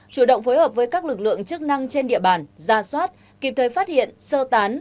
chủ động phối hợp với các lực lượng chức năng trên địa bàn ra soát kịp thời phát hiện sơ tán